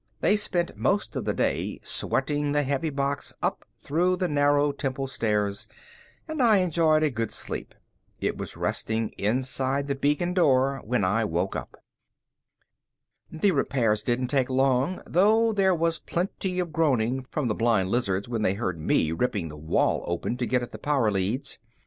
They spent most of the day sweating the heavy box up through the narrow temple stairs and I enjoyed a good sleep. It was resting inside the beacon door when I woke up. The repairs didn't take long, though there was plenty of groaning from the blind lizards when they heard me ripping the wall open to get at the power leads.